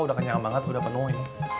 udah kenyang banget udah penuh ini